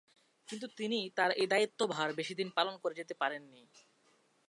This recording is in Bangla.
কিন্তু তিনি তার এই দায়িত্বভার বেশিদিন পালন করে যেতে পারেননি।